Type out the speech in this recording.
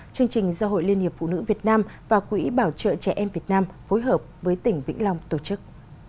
chương trình do hội liên hiệp phụ nữ việt nam và quỹ bảo trợ trẻ em việt nam phối hợp với tỉnh vĩnh long tổ chức